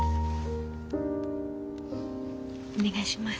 お願いします。